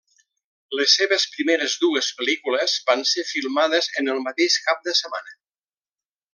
Les seves primeres dues pel·lícules van ser filmades en el mateix cap de setmana.